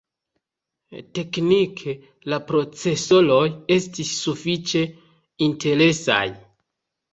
Teknike la procesoroj estis sufiĉe interesaj.